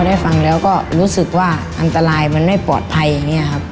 ได้ฟังแล้วก็รู้สึกว่าอันตรายมันไม่ปลอดภัยอย่างนี้ครับ